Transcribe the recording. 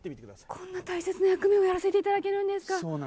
こんな大切な役目をやらせていただけるんですか。